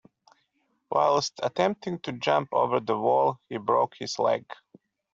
Whilst attempting to jump over the wall, he broke his leg.